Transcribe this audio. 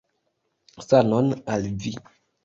Sanon al vi!